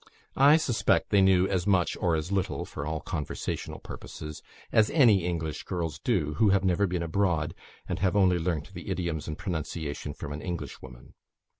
I suspect they knew as much (or as little), for all conversational purposes, as any English girls do, who have never been abroad, and have only learnt the idioms and pronunciation from an Englishwoman.